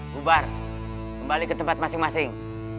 bubar kembali ke tempat masing masing